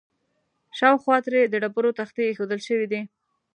شاوخوا ترې د ډبرو تختې ایښودل شوي دي.